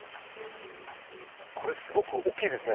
これすごく大きいですね。